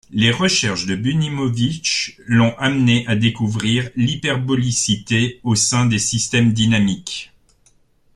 Les recherches de Bunimovich l'ont amené à découvrir l'hyperbolicité au sein des systèmes dynamiques.